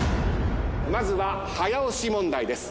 まずは早押し問題です。